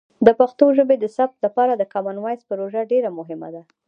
د پښتو ژبې د ثبت لپاره د کامن وایس پروژه ډیر مهمه ده.